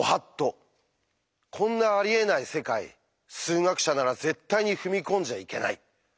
こんなありえない世界数学者なら絶対に踏み込んじゃいけない！